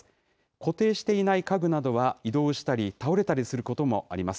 固定していない家具などは移動したり、倒れたりすることもあります。